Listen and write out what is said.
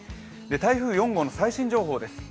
台風４号の最新情報です。